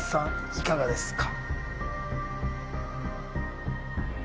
いかがですか？